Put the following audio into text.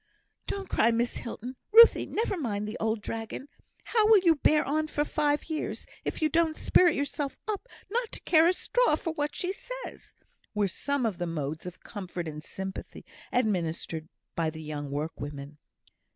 "Don't cry, Miss Hilton," "Ruthie, never mind the old dragon," "How will you bear on for five years, if you don't spirit yourself up not to care a straw for what she says?" were some of the modes of comfort and sympathy administered by the young workwomen.